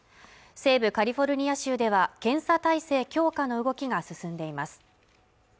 西部カリフォルニア州では検査体制強化の動きが進んでいます